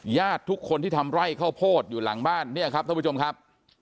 ญาติทุกคนที่ทำไร่ข้าวโพดอยู่หลังบ้านเนี่ยครับท่านผู้ชมครับ